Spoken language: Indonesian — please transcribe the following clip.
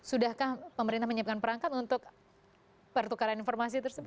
sudahkah pemerintah menyiapkan perangkat untuk pertukaran informasi tersebut